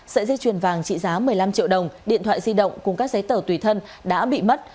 sợi dây chuyền vàng trị giá một mươi năm triệu đồng điện thoại di động cùng các giấy tờ tùy thân đã bị mất